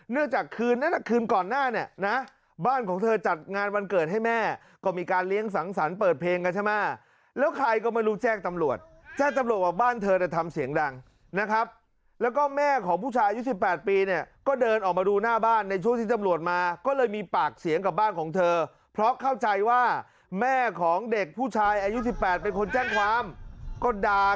จากคืนนั้นคืนก่อนหน้าเนี่ยนะบ้านของเธอจัดงานวันเกิดให้แม่ก็มีการเลี้ยงสังสรรค์เปิดเพลงกันใช่ไหมแล้วใครก็ไม่รู้แจ้งตำรวจแจ้งตำรวจว่าบ้านเธอเนี่ยทำเสียงดังนะครับแล้วก็แม่ของผู้ชายอายุ๑๘ปีเนี่ยก็เดินออกมาดูหน้าบ้านในช่วงที่ตำรวจมาก็เลยมีปากเสียงกับบ้านของเธอเพราะเข้าใจว่าแม่ของเด็กผู้ชายอายุ๑๘เป็นคนแจ้งความก็ด่า